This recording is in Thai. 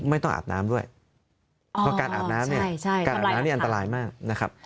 ไม่ต้องอาบน้ำด้วยเพราะว่าการอาบน้ำเนี่ยอันตรายมากนะครับ